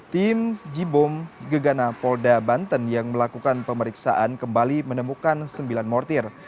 tim jibom gegana polda banten yang melakukan pemeriksaan kembali menemukan sembilan mortir